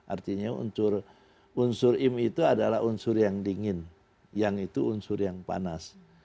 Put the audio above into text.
artinya unsur im itu adalah unsur yang dingin yang itu unsur yang panas